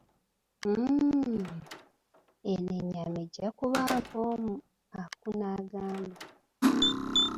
Mmmm, eno ennyama ejja kuba mpoomu, Aku n'agamba.